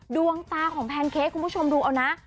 ดวงตาของแพนเค้กคุณผู้ชมดูเอานะ